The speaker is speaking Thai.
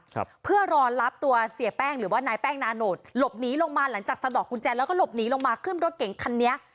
ครับเพื่อรอรับตัวเสียแป้งหรือว่านายแป้งนาโนตหลบหนีลงมาหลังจากสะดอกกุญแจแล้วก็หลบหนีลงมาขึ้นรถเก๋งคันนี้